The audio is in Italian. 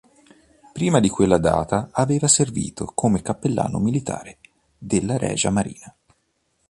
Prima di quella data aveva servito come cappellano militare della Regia Marina.